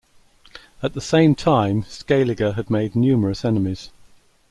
At the same time, Scaliger had made numerous enemies.